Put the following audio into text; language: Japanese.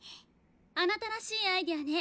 あなたらしいアイデアね。